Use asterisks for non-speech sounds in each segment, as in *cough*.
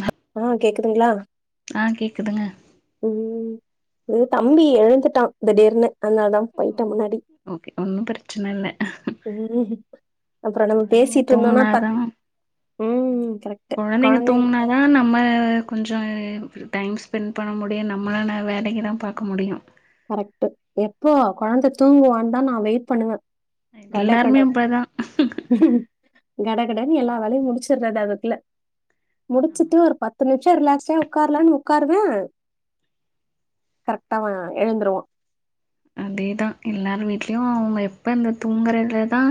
*inaudible* ஹ ஆ கேக்குதுங்களா ஆ கேக்குதுங்க ம் இது தம்பி எழுந்துட்டா திடீர்னு அதனாலதா ஓ போய்ட்டா முன்னாடி ஓகே ஒன்னு பிரச்சன இல்ல ம் அப்புற நம்ம கொழந்தைங்க பேசிட்ருந்தோனா பட் தூங்குனாதா ம் கரெக்ட் கொழந்தைங்க தூங்னாதா நம்ம கொஞ்ச டைம் ஸ்பென்ட் பண்ண முடியும் நம்மளான வேலைகளை பாக்க முடியும் கரெக்ட்டு எப்போ கொழந்த தூங்குவான் தா நா வெயிட் பண்ணுவே வட எல்லாருமே கடவ் அப்டிதா கடகடன்னு எல்லா வேலையு முடிச்சறது அதக்குள்ள ஆமா முடிச்சுட்டு ஒரு பத்து நிமிஷ ரிலாக்ஸாடா உக்கார்லானு உக்காருவே கரெக்டா அவ எழுந்துருவா அதேதா எல்லார் வீட்லயு அவங்க எப்ப இந்த தூங்குறதுல தா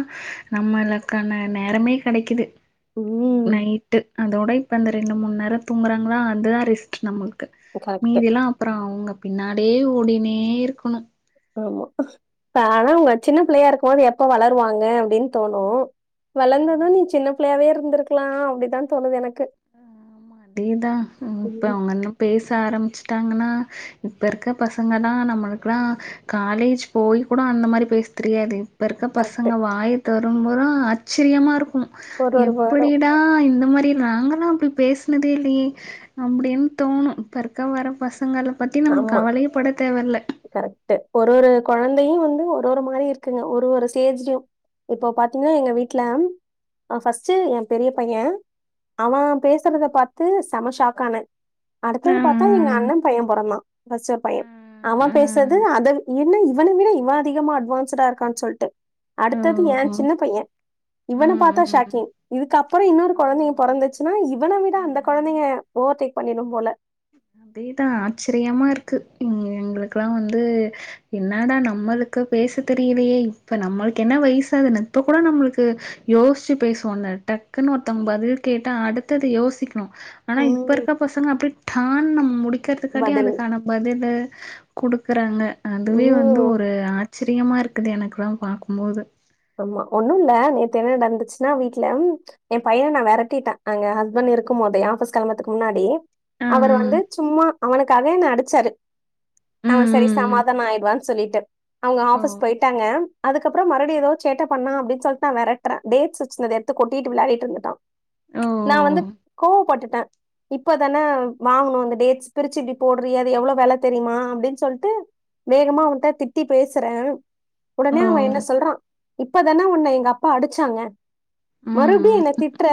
நம்மளுக்கான நேரமே கெடைக்குது உ நைட்டு அதோட இப்ப இந்த ரெண்டு மூணு நேர தூங்குறாங்களா அதுதா ரெஸ்ட் நம்மளுக் கு கரெக்ட் மீதில்லா அப்பறம் அவங்க பின்னாடியே ஓடினே இருக்கணு ஆமா ஆனா உங்க சின்னபுள்ளையா இருக்கும்போது எப்ப வளருவாங்க அப்டின் தோணு ஆமா வளந்தது நீ சின்ன புள்ளையாவே இருந்திருக்கலா அப்டிதா தோணுது எனக்கு அதேதா ம் இப்ப அவங்க இன்னும் பேச ஆரம்பிச்சுட்டாங்கன்னா இப்ப இருக்க பசங்கள்லா நம்மளுக்கள்லா காலேஜ் போய் கூட அந்த மாரி பேச தெர்யாது இப்ப இருக்க கரெக்ட் பசங்க வாய் தொரம்போது ஆச்சரியமா இருக்கும் ஒரு ஒரு வேர்டும் எப்படிடா ஆ இந்த மாரி ராங்கா ஆனா அப்டி பேசுனதே இல்லையே அப்டின் தோணும் இப்ப இருக்க வர பசங்களா பத்தி நம்ம கவலையேப்பட தேவயில்ல கரெக்ட்டு ஒரு ஒரு கொழந்தையும் வந்து ஒரு ஒரு மாரி இருக்குங்க ஒரு ஒரு ஸ்டேஜ்லயு இப்போ பாத்தீங்கன்னா எங்க வீட்ல ஆ ஃபர்ஸ்ட்டு எ பெரிய பைய அவன் பேசறத பாத்து செம ஷாக்கான ஆ அடுத்தது பாத்தா எங்க அண்ண பைய பொறந்தா *unintelligible* ஆ பைய அவன் ஆ பேசறது அத என்ன இவன விட இவன் அதிகமா அட்வான்ஸ்டா இருக்கா சொல்ட்டு ஓ அடுத்தது ஏன் சின்ன பைய இவன ம் பாத்தா ம் ஷாக்கிங் இதுக்கப்பறம் இன்னொரு ஓ கொழந்தைங்க பொறந்துச்சுன்னா இவன விட அந்த ஆ கொழந்தைங்க ஓவர்டேக் பண்ணிடும் போல அதேதா ஆச்சரியமா இருக்கு எங்களுக்கல்லா வந்து என்னடா நம்மளுக்கு பேச தெரியலையே இப்ப நம்மளுக் என்ன வயசு அதுன்னு இப்ப கூட நம்முளுக்கு யோச்சு பேசுவல டக்குனு ஒருத்தங்க பதில் கேட்ட அடுத்தது யோசிக் அப்பறம் ஆனா இப்ப ம். இருக்க பசங்க அப்டி டான் நம்ம முடிக் கிற்துக்காட்டி பதில். அதுக்கான பதிலு குடுக்குறாங்க அதுவே வந்து ம். ஒ ரு ஆச்சரியமா இருக்குது எனக்குல்லா பாக்கும்போது ஆமா ஒண்ணு இல்ல நேத்து என்ன நடந்துச்சுன்னா வீட்ல ம் என் பையன நா விரட்டிடேன் அங்க ஹஸ்பண்ட் இருக்கும் போதே ஆஃபிஸ் கிளம்பத்துக்கு முன்னாடி ஆ, ஆ. அவரு வந்து சும்மா அவனுக்காக என்ன அடிச்சாரு ம், அவன் சரி ம், ம். சமாதானம் ஆயிடுவான் சொல்லிட்டு அவங்க ஓ! ஆபிஸ் போய்டாங்க அதுக்கப்பறம் மறுபடியு எதோ சேட்ட பண்ணா அப்டின் சொல்ட்டு நான் விரட்ற டேட் வச்சுத அத எடுத்து கொட்டிட்டு விளையாட்டு இருந்துட்டா ஓ! நா வந்து கோவ பட்டுட இப்பதான வாங்கணு அந்த டேட்ஸ் பிரிச்சு இப்டி போட்றியே அது எவ்ளோ வெள தெரியுமா அப்டின் சொல்ட்டு வேகமா அவன்ட்ட திட்டி பேசுற ஓ! உடனே அவன் என்ன சொல்றா இப்பதான உன்ன எங்க அப்பா அடிச்சாங்க ம், மறுபடியு ம். என்ன திட்ற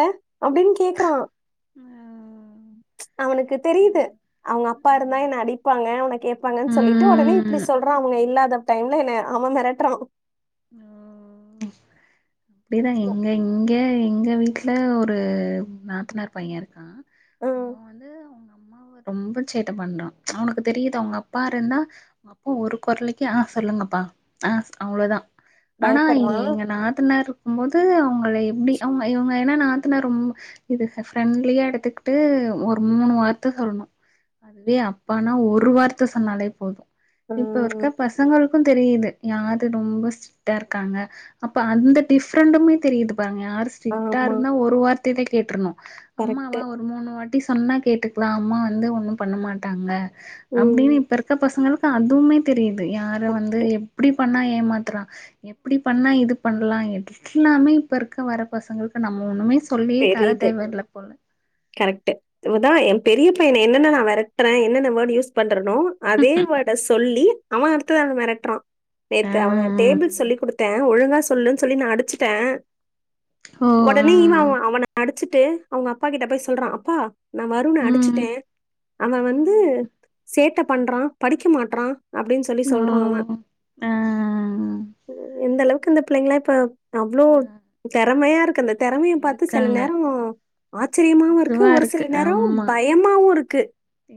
அப்டின் கேக்கறா ஆ. அவனுக்கு ப தெரியுது அவங்க அப்பா இருந்தா ஆமா. என்ன அடிப்பாங்க அவன கேப்பாங்கன் சொல்லிட்டு உடனே இப்டி ம் சொல்றா அவங்க இல்லாத டைம்ல என்ன அவன் மிரட்றா ம் அப்டிதா எங்க இங்க எங்க வீட்ல ஒரு நாத்தனார் பைய இருக்கான் ம் அவன் வந்து அவுங்க அம்மாவ ரொம்ப சேட்ட பண்றா அவனுக்கு தெரியுது அவங்க அப்பா இருந்தா அப்பா ஒரு கொரலுக்கே ஆ சொல்லுங்கப்பா ஆ அவ்ளோ தா ஆனா பயப்படுறா இவிங்க எங்க நாத்தனார் இருக்கும் போது அவுங்கள எப்டி அவுங்க இவுங்க ஏன்னா நாத்தனார் ரொம் இது இப்ப ஃப்ரெண்ட்லியா எடுத்துக்கிட்டு ஒரு மூணு வார்த்த சொல்னு அதுவே அப்பானா ஒரு வார்த்த சொன்னாலே போதும் இப்ப இருக்க ம் பசங்கள் க்கும் தெரியுது யாரு ரொம்ப ஸ்டிரிக்ட்டா இருக்காங்க அப்ப அந்த டிஃப்ரண்டமே தெரியுது பாருங்க யாரு ஸ்டிரிக்டா ஆமா இருந்தா ஒரு வார்த்தையிலே கேட்ருனு அம்மாவா கரெக்ட்டு ஒரு மூணு வாட்டி சொன்னா கேட்டுக்லா அம்மா வந்து ஒன்னும் பண்ண மாட்டாங்க ம் அப்டின் இப்ப இருக்க பசங்களுக்கு அதுவுமே தெரியுது யார வந்து கரெக்ட்டு எப்டி பண்ணா ஏமாத்றா எப்டி பண்ணா இது பண்லா எல்லாமே இப்ப இருக்க வர பசங்களுக்கு நம்ம ஒண்ணுமே சொல்லியே தர தெரியுது தேவ இல்ல போல கரெக்ட்டு இதுதா என் பெரிய பையன என்னென்ன நா மெரட்ற என்னென்ன வேர்ட் யூஸ் பண்றனோ அதே வோர்ட சொல்லி அவ அடுத்தவன் மெரட்றா நேத்து அவ டேபிள் சொல்லி் குடுத்த ஒழுங்கா சொல்லுன் சொல்லி நா அடிச்சுட்ட ஓ ஆ ஒடனே இவ்னு அவா அடிச்சிட்டு அவங்க அப்பா கிட்ட போய் சொல்றா அப்பா நா வருண ம் அடிச்சுட்டே அவன வந்து சேட்ட பண்றா படிக்க மாட்றா அப்டின் சொல்லி ஓ சொல்றா அவ ஆ இந்த அளவுக்கு இந்த பிள்ளைங்ளா இப்போ அவ்ளோ ஆ தெறமையா இருக்கு அந்த தெறமைய பாத் த்து சில இருக்காங்க நேரம் ஆச்சரியமாவும் இருக்கு இதுவா ஒரு சில நேரம் ஆமா பயமாவும் இருக்கு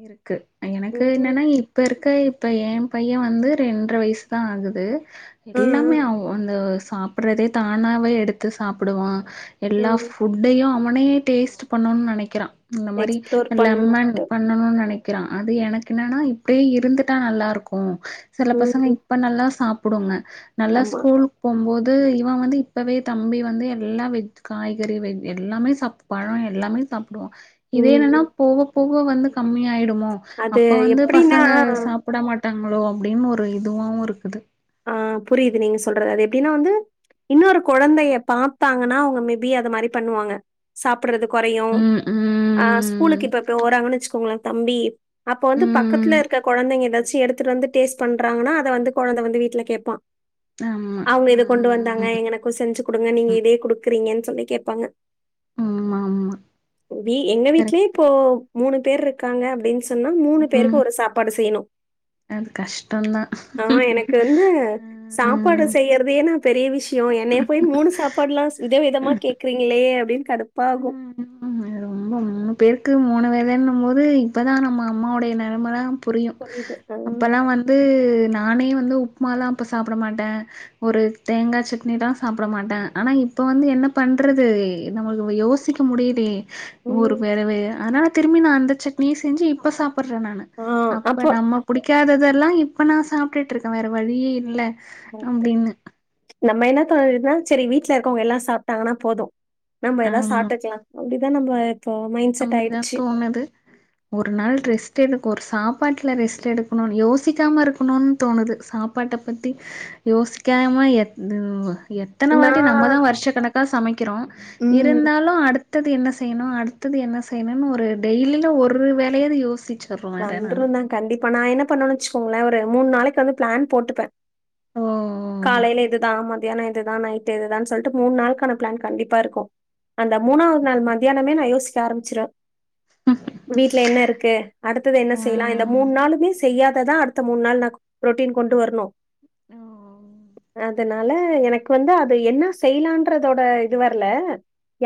இருக்கு எனக்கு ம். என்னென்னா இப்போ இருக்க இப்போ என் பைய வந்து ரெண்ட்ர வய்சு தா ஆகுது அ, எல்லாமே அ, அவ அந்த சாப்பறதே தானாவே எடுத் து சாப்டுவா எல்லா அ. ஃபுட்டயும் அவனே டேஸ்ட்டு பண்ணோ நெனைக்கிறா இந்த மாரி எக்ஸ்ப்ளோர் நல்ல அம்மங் பண்ணணுன்ட்டு பண்ணணு நெனைக்கிறா அது எனக்கு என்னன்னா இப்டியே இருந்துட்டா நல்லா இருக்கும் சில ம் பசங்க ம் அப்ப நல்லா சாப்புடுங்க நல்லா ஆமா ஸ்கூல் போம்போது இவ வந்து இப்பவே தம்பி வந்து எல்லா வெஜ் காய்கறி வெ எல்லாமே சாப் பழம் எல்லாமே சாப்டுவா இதே ம் என்னன்னா ம் போக போக வந்து கம்மியாயிடு மோ அது அப்ப வந்து எப்டின்னா பசங்க சாப்புட மாட்டாங்களோ அப்டின் ஒரு இதுவாவும் இருக்குது ஆ புரியுது நீங்க சொல்ற அது எப்டின்னா வந்து இன்னொரு கொழந்தைய பாத்தாங்கன்னா அவங்க மேபி அது மாரி பண்ணுவாங்க சாப்பிட்றது கொறையும் ம் ஆ ஸ்கூலுக்கு ம் இப்ப இப்ப ஓறாங்கன் வச்சுக்கோங்ளேன் தம்பி அப்ப வந்து ம் பக்கத்துல இருக்கற கொழந்தைங்க எதாச்சு எடுத்துட்டு வந்து டேஸ்ட் பண்றாங்கன்னா அத வந்து கொழந்த வந்து வீட் ல கேப்பா ஆமா அவங்க ஆ இத கொண்டு வந்தாங்க எனக்கும் செஞ்சு குடுங்க நீங்க ஆமா இதே குடுக்குறீங்கன் சொல்லி கேப்பாங்க ம் இதே எங்க வீட்லயு இப்போ மூணு பேர் இருக்காங்க அப்டின் சொல்லி மூணு ம் பேருக்கு ஒரு சாப்பாடு செய்ணு அது கஷ்டோந்தா ஆ எனக்கு வந்து சாப்பாடு செய்யறதே எனக் பெரிய விஷ்யோ என்னய போய் மூணு சாப்பாடுல்லா வித விதமா கேக் காங்ளே அப்டின் கடுப்பாகும் *inaudible* ம் ம் பெருக்கறது மூணு வேலைன்னும் போது இப்பதா நம்ம அம்மாவுடைய நெலமதா புரியும் புரியுது. ஆ, அப்பல்லா வந்து நானே வந்து உப்புமாலா அப்ப சாப்ட மாட்டே ஒரு தேங்காய் சட்னில்லா சாப்புட மாட்டே ஆனா இப்ப வந்து என்ன பண்றது நம்ம நம்ம யோசிக்க முடியலே ஒரு ம். வேறவு அதனால திரும்பி நா அந்த சட்னிய செஞ்சு இப்ப சாப்புட்றே நானு ஆ, அப்ப அப்போ நம்ம புடிக்காததெல்லா இப்ப நா சாப்புட்டுட்டு இருக்கே வேற வழியே இல்ல போப்ட்டு அப்டின்னு நம்ம என்ன தோணுறதுன்னா செரி வீட்ல இருக்கவங்க எல்லா சாப்ட்டாங்கன்னா போது மேம் ஏதாவ ஆமா சாப்ட்டுக்கிங்லா அப்படிதா நம்ப இப்போ மைண்ட் செட் ஆயிடுச்சு என்னது ஒரு நாள் ரெஸ்ட் எடுக்கு ஒரு சாப்பாட்டுல ரெஸ்ட் எடுக்கணுன்னு யோசிக்காம இருக்கணுன்னு தோணுது சாப் பாட்ட பத்தி யோசிக்காம எத் எத்தன வாட்டி நம்ம தா நான் வருஷா கணக்கா சமைக்கிறோ ம். இருந்தாலு அடுத்தது என்ன செய்யணு அ அடுத்தது என்ன செய்யணுன்னு ஒரு டெய்லியிலு ஒரு வேலையாவது யோசிச்ச வந்ட்ருந்தா கண்டிப்பா நா என்ன பண்ணு வச்சுக்கோங்களே ஒரு மூணு நாளைக்கி வந்து பிளான் போட்டுப்பே ஓ காலையில இதுதா மதியானோ இதுதா நைட் டு இதுதா சொல்ட்டு மூணு நாளுக்கான பிளான் கண்டிப்பாருக்கு அந்த மூணாவது அது நாள் மத்தியானமே நா யோசி க்க ஆரம்பிச்சிடுவே இப்ப வீட்ல என்னருக்கு அடுத்தது என்ன ஆ செய்யலா இந்த மூணு நாளுமே செ செய்யாத தா அடுத்த மூணு நாள் புரோடின் கொண்டு வரணு ஓ அதனா னால எனக்கு வந்து அது என்ன செய்யலான்றதோட இது வரல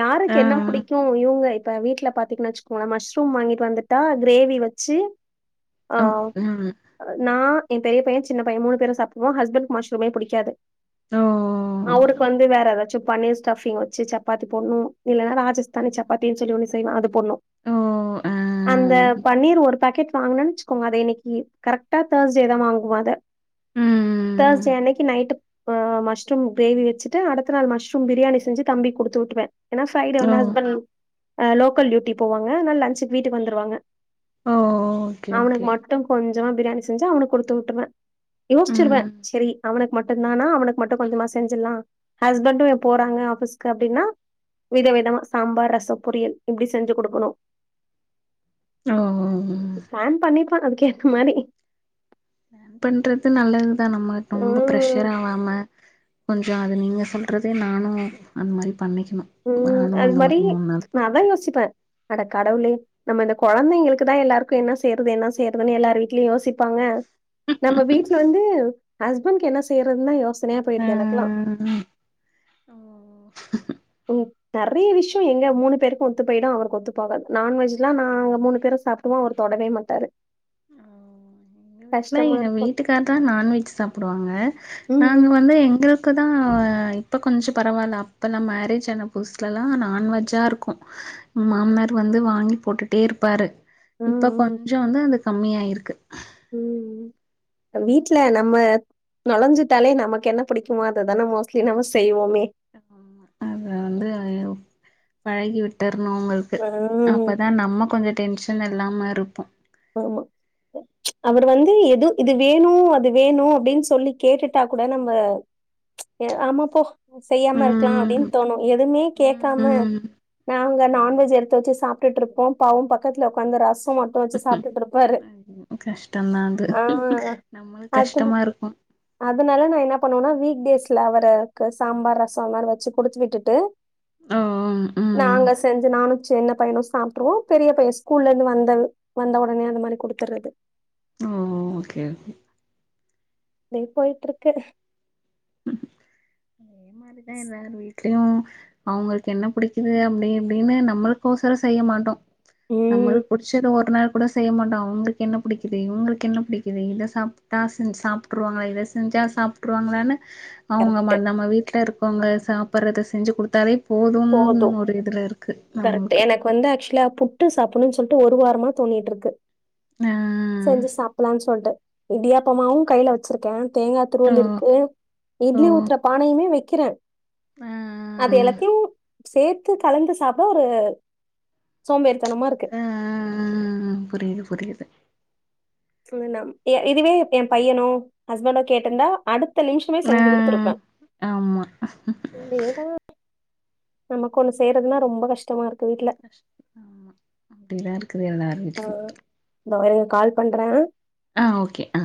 யாருக்கு ஆ என்ன புடிக்கு இவுங்க இப்ப வீட்ல பாத்தீங்கன்னு வச்சுக்கோங்களே மஷ்ரூம் வாங்கிட்டு வந்துட்டா கிரேவி வச்சு ஆ ஓ ம் நா எ பெரிய பையே சின்ன பையே மூண பேரு சாப்டுவோ ஹஸ்பண்ட்க்கு மஷ்ரூமேபுடிக்காது ஓ அவருக்கு வந்து வேற ஏதாச்சு பன்னீர் ஸ்டஃபிங் வச்சு சப்பாத்தி போட்னு இல்லன்னா ராஜஸ்தானி சப்பாத்தின்னு சொல்லி ஒண்ணு செய்வ அது போட்னு ஓ ஆ அந்த பன்னீர் ஒ வாங்க வச்சுக்கோங்க அத இன்னைக்கி கரெக்டா தேர்ஸ்டே தா வாங்குவோ அத ம் ம் தஸ் டே அன்னைக்கி நைட் ஆ மஷ்ரூம் கிரேவி வச்சிட்டு அடுத்த நாள் மஷ்ரூம் பிரியாணி செஞ்சு தம்பிக் குடுத்து உட்டுருவே ஏன்னா ஃப்ரைடே வந்து ஓ ஹஸ்பண்ட் அ லோக்கல் டியூட்டி போவாங்க அதனால லன்சுக்கு வீட்டுக்கு வந்துருவாங்க ஓ அவனுக்கு ஓகே மட்டு கொஞ்சமா பிரியாணி செஞ்சு அவனுக்கு குடுத்து விட்டுருவே யோசிச்சிருவே ம் செரி அவனுக்கு மட்டுன்தானா அவனுக்கு மட்டு கொஞ்சமா செஞ்சர்லா ஹஸ்பண்ட்டு எப் போறாங்க ஆஃபீஸ்கு அப்படின்னா வித விதமா சாம்பார் ரசம் பொரியல் இப்படி செஞ்சு குடுக்கணு ஓ ஓ பிளான் பண்ணிப்ப அதுக்கு ஏத்த மாரி பண்றது நல்லதுதா நம்ம ரொம்ப ம் ப்ரெஷர் ஆவாம கொஞ்சோ அது நீங்க சொல்றதே நானு அந்த மாரி பண்ணிக்கணு ம் நானு அது அந்த மாரி மூணு நாள் நா அதான் போட்டுக்கணு யோசிப்பே அட கடவுளே நம்ம இந்த கொந்தைங்களுக்கு தா எல்லாருக்கு என்ன செய்யறது என்ன செய்யறதுன்னு எல்லாரு வீ்ட்லயு யோசிப்பாங்க நம்ம வீட்ல வந்து ஹஸ்பண்ட்க் என்ன செய்யறதுன்னா யோசனையா போயிடுது எனக்லா ம் ம் ஓ ஓ நறைய விஷ்யோ எங்க மூணு பேருக்கு ஒத்து போயிடு அவருக்கு ஒத்து போகாது நான்வெஜ்லா நாங்க மூணு பேரு சாப் டுமோ அவரு தொடவே மாட்டாரு வீட்லா கஷ்டமா எங்க இருக்கும். வீட்டுக்கார் தான் நான்வெஜ் சாப்டுவாங்க ம். நாங்க வந்து எங்க இப்போ தான் இப்போ கொஞ்சோ பரவாயில்ல அப்போல்லாம் மேரேஜ் ஆன புதுஸலலாம் நாான்வெஜ்ஜா இருக்கும் மாமனார் வந்து வாங்கி போட்டுட்டே இருப்பாரு இப்ப ம். கொஞ்சோ வந்து அது கம்மியாயிருக்கு உம் வீட்டு்ல நம்ம நுழஞ்சுட்டாலே நமக்கு என்ன பிடிக்குமோ அததுதானே மோஸ்ட்லி நம்ம செய்வோமே அது வந்து பழகி விட்டர்ணு அவுங்களுக்கு ஆ. அப்பதா நம்ம கொஞ்சோ டென்ஷன் இல்லாம இருப்போ ஆமா அவர் வந்து எது இது வேணு அது வேணு அப்டின்னு சொல்லி கேட்டுட்டா கூட நம்ம ஏ ஆமாப் போ செய்யாம இருக்கலா ம் அப்டின்னு தோணு எதுமே கேக்காம ம் நாங்க ஆமா நான்வெஜ் எடுத்து வச்சு சாப்ட்டுருப்போ பாவோ பக்கத்துல உக்காந்து ரசோ மட்டு வச்சு சா திட்டு இருப்பாரு கஷ்டோ தா அது ஆஹ் நம்மளுக் அது கஷ்டமா இருக்கூ அதனால நான் என்ன பண்ணுவேனா வீக் டேஸ்ல அவருக்கு சாம்பார் ரசம் அது மாரி வச்சு குடுத்து விட்டுட்டு ஓ உம் உம் நாங்க செஞ்சு நானும் சென்ன பையனு சாப்ட்ருவோ பெரிய பைய ஸ்கூல்லந்து வந்த வந்த உட பன்னி அந்த மாரி குடுதறது ஓ ஓகே ஓகே இதே போயிட்டு இருக்கு மாரி தா எ நலமயு ட்லியு அவுங்களுக்கு என்ன பிடிக்குது அப்டி இப்டின்னு நம்மளுக்கோசரோ செய்ய மாட்டோ உம் நம்மளுக்கு புடிச்சத ஓர் நரோ கூட செய்ய மாட்டோ அவுங்களுக்கு என்ன பிடிக்குது இங்களுக்கு என்ன பிடிக்குது இத சாப்டா செஞ்சு சாப்ட்டுருவாங்ல இத செஞ்சா சாப்ட் ட்ருவாங்களானு அவங்க ம கரெக்ட் நம்ம வீட்டில் இருக்கோங்க சாப்றத செஞ்சு கொடுத்தாலே போதுனு போதும் ஒரு இதில இருக்கு கரெக்ட். நம்மளுக்கு எனக்கு வந்து ஆக்சுலா புட்டு சாப்புணுன்னு சொல்ட்டு ஒரு வாரமா தோணிட்டு இருக்கு ஆ செஞ்சு சாப்பலனு சொல்ட்டு இடியாப்பமாவு கையில வச் வச்சிருக்க தேங்கா ஓ துருவள் இருக்கு ஓ இட்லி ஊத்துற பானையுமே வைக்கிறேன் ஆ ஆ அது எல்லா சேர்த்து கலந்து சாப்ட ஒரு சோம்பேறித்தனமா இருக்கு ஆ ஆ புரியுது புரியுது சுதனம் இதுவே எ பையனோ ஹஸ்பண்டோ கேட்ருந்தா அடுத்த நிமிஷமே ஆ செஞ்சு கொடுத்துருப்ப ஆமா வேர எது நமக்கு ஒண்ணு செய்யறதுன்னா ரொம்ப கஷ்டமா இருக்கு வீட்டுல கஷ் ஆமா அப்டிதா இருக்குது எல்லார் ஆ வீட்லயு இதோ இருங்க கால் பண்றே ஆ ஓகே ஆ